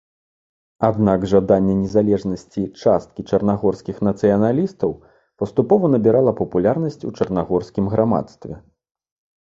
Аднак жаданне незалежнасці часткі чарнагорскіх нацыяналістаў паступова набірала папулярнасць у чарнагорскім грамадстве.